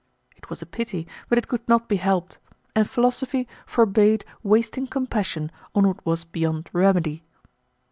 It was a pity, but it could not be helped, and philosophy forbade wasting compassion on what was beyond remedy.